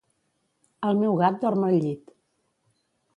El meu gat dorm al llit.